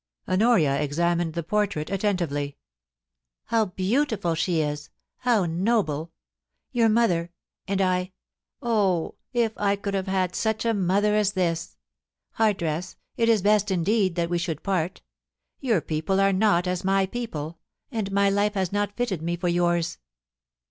Honoria examined the portrait attentively. * How beautiful she is I how noble !... Your mother — and I — oh, if I could have had such a mother as this! Hardress, it is best indeed that we should part Your people are not as my people, and my life has not fitted me for yours.'